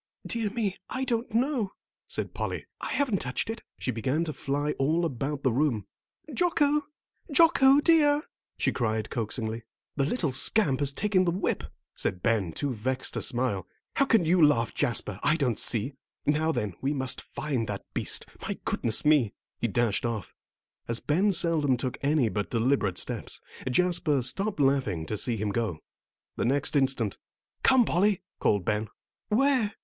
"Dear me, I don't know," said Polly. "I haven't touched it," and she began to fly all about the room. "Jocko, Jocko dear," she cried coaxingly. "The little scamp has taken the whip," said Ben, too vexed to smile. "How you can laugh, Jasper, I don't see. Now then, we must find that beast. My goodness me!" He dashed off. As Ben seldom took any but deliberate steps, Jasper stopped laughing to see him go. The next instant, "Come, Polly!" called Ben. "Where?"